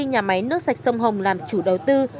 nhà máy nước sạch sông hồng làm chủ đầu tư